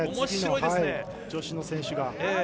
次の女子の選手が。